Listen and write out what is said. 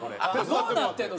どうなってんの？